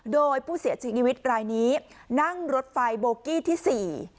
โดยผู้เสียชีวิตรายนี้นั่งรถไฟโบกี้ที่สี่